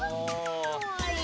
かわいい。